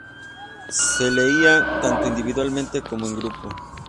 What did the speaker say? Se leía tanto individualmente como en grupo.